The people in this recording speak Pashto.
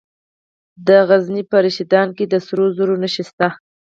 د غزني په رشیدان کې د سرو زرو نښې شته.